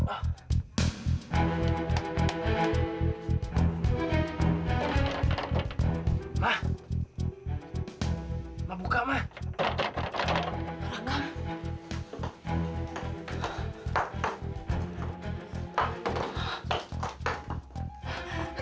aku ingin kamu masuk penjara